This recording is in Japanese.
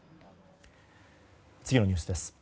次のニュースです。